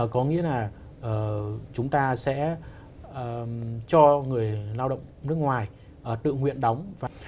có nghĩa là chúng ta sẽ cho người lao động nước ngoài tự nguyện đóng phạt